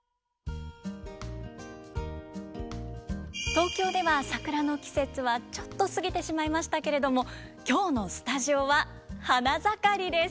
東京では桜の季節はちょっと過ぎてしまいましたけれども今日のスタジオは花盛りです。